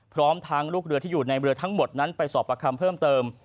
พร้อมทั้งลูกเรือที่อยู่ในเรือทั้งหมดนั้นไปสอบประคำเพิ่มเติม